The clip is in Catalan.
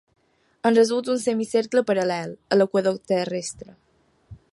En resulta un semicercle paral·lel a l’equador terrestre.